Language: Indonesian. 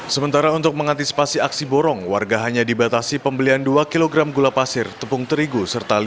sementara untuk mengantisipasi aksi borong warga hanya dibatasi pembelian dua kg gula pasir tepung terigu serta lima